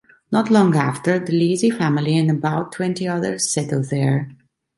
Not long after, the Leasey family and about twenty others settled there.